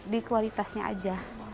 di kualitasnya aja